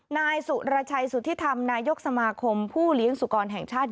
นายสุรชัยสุธิธรรมนายกสมาคมผู้เลี้ยงสุกรแห่งชาติ